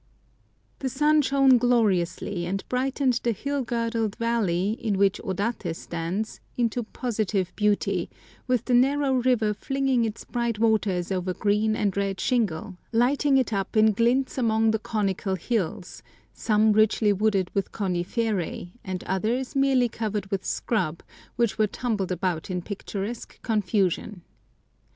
The sun shone gloriously and brightened the hill girdled valley in which Odaté stands into positive beauty, with the narrow river flinging its bright waters over green and red shingle, lighting it up in glints among the conical hills, some richly wooded with coniferæ, and others merely covered with scrub, which were tumbled about in picturesque confusion.